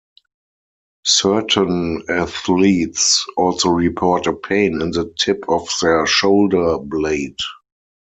Certain athletes also report a pain in the tip of their shoulder blade.